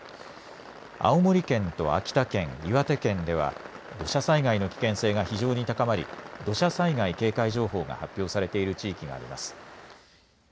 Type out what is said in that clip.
青森県と秋田県、岩手県では土砂災害の危険性が非常に高まり土砂災害警戒情報が発表されている地域があります。